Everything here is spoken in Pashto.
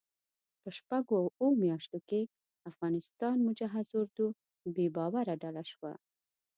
په شپږو اوو میاشتو کې افغانستان مجهز اردو بې باوره ډله شوه.